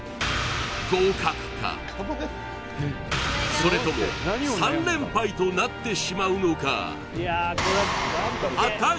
それとも３連敗となってしまうのか？